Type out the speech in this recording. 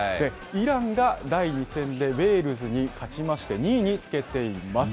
イランが第２戦でウェールズに勝ちまして、２位につけています。